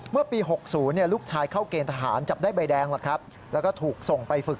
เมื่อปี๖๐ลูกชายเข้าเกณฑ์ทหารจับได้ใบแดงแล้วก็ถูกส่งไปฝึก